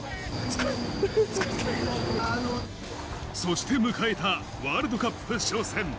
そして迎えたワールドカップ初戦。